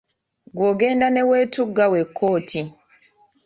Ggwe ogenda ne weetuga wekka oti.